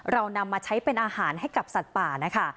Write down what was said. นำมาใช้เป็นอาหารให้กับสัตว์ป่านะคะ